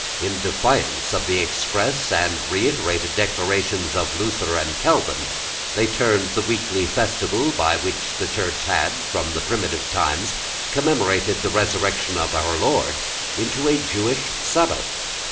In defiance of the express and reiterated declarations of Luther and Calvin, they turned the weekly festival by which the Church had, from the primitive times, commemorated the resurrection of her Lord, into a Jewish Sabbath.